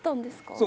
そう。